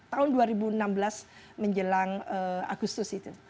tahun dua ribu enam belas menjelang agustus itu